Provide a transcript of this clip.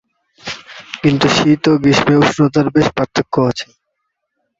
কিন্তু শীত ও গ্রীষ্মে উষ্ণতার বেশ পার্থক্য আছে।